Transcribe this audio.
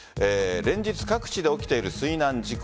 連日各地で起きている水難事故。